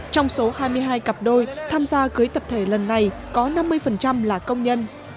trong số hai mươi hai cặp đôi tham gia cưới tập thể lần này có năm mươi là công nhân